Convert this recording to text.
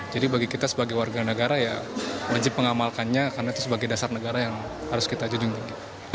jadi bagi kita sebagai warga negara ya lanjut mengamalkannya karena itu sebagai dasar negara yang harus kita jujurin